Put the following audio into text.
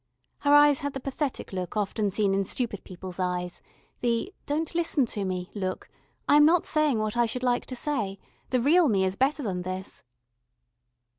Her eyes had the pathetic look often seen in stupid people's eyes, the "Don't listen to me" look, "I am not saying what I should like to say. The real Me is better than this."